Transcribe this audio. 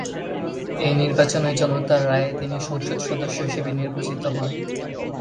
ঐ নির্বাচনে জনতার রায়ে তিনি 'সংসদ সদস্য' হিসেবে নির্বাচিত হন।